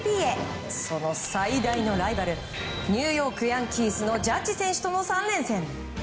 その最大のライバルニューヨーク・ヤンキースのジャッジ選手との３連戦。